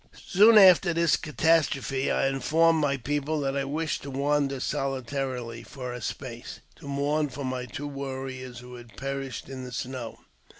Soon after this catastrophe, I informed my people that wished to wander sohtary for a space, to mourn for my twd^ warriors who had perished in the snow.